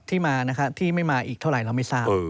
ที่มานะครับที่ไม่มาอีกเท่าไหร่เราไม่ทราบ